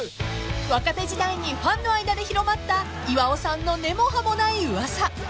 ［若手時代にファンの間で広まった岩尾さんの根も葉もない噂］